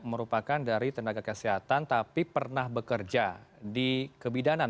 merupakan dari tenaga kesehatan tapi pernah bekerja di kebidanan